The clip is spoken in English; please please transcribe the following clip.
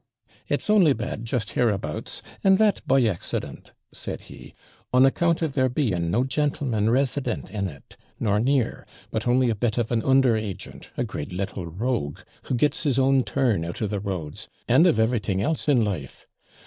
'It's only bad just hereabouts, and that by accident,' said he, 'on account of there being no jantleman resident in it, nor near; but only a bit of an under agent, a great little rogue, who gets his own turn out of the roads, and of everything else in life.